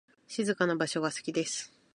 静かな場所が好きです。